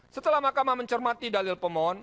setelah mahkamah mencermati dalil pemohon